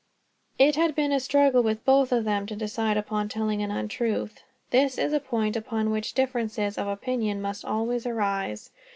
It had been a struggle, with both of them, to decide upon telling an untruth. This is a point upon which differences of opinion must always arise.